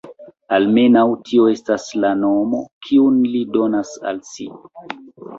Almenaŭ tio estas la nomo, kiun li donas al si.